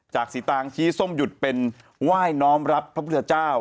สีตางชี้ส้มหยุดเป็นไหว้น้อมรับพระพุทธเจ้า